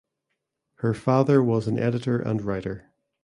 Her father was an editor and writer.